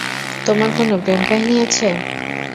তোমার কোন প্রেমকাহিনী আছে?